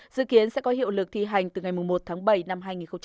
dự kiến sẽ có hiệu lực thi hành từ ngày một tháng bảy năm hai nghìn một mươi tám